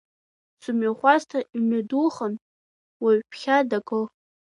Сымҩахәасҭа имҩадухан, уаҩ ԥхьа даго?